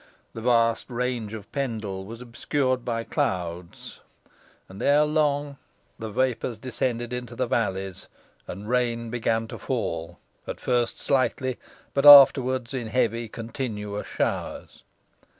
The vast range of Pendle was obscured by clouds, and ere long the vapours descended into the valleys, and rain began to fall; at first slightly, but afterwards in heavy continuous showers.